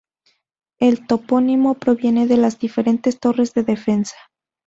El topónimo proviene de las diferentes torres de defensa.